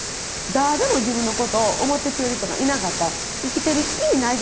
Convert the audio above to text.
誰も自分のことを思ってくれる人がいなかったら生きてる意味ないじゃないですか。